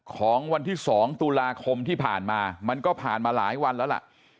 ของวันที่๒ตุลาคมที่ผ่านมามันก็ผ่านมาหลายวันแล้วล่ะ